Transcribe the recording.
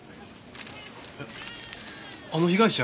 えっあの被害者